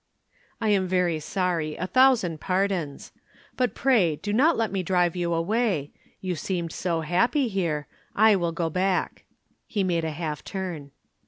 "I am very sorry. A thousand pardons. But, pray, do not let me drive you away. You seemed so happy here. I will go back." He made a half turn.